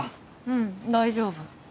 うん大丈夫。